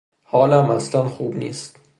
حالم اصلا خوب نیست.